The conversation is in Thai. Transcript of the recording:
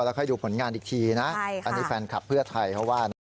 ค่อยดูผลงานอีกทีนะอันนี้แฟนคลับเพื่อไทยเขาว่านะ